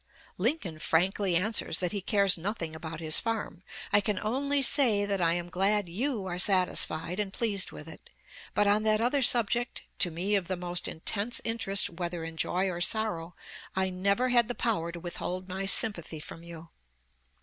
Lincoln frankly answers that he cares nothing about his farm. "I can only say that I am glad you are satisfied and pleased with it. But on that other subject, to me of the most intense interest whether in joy or sorrow, I never had the power to withhold my sympathy from you.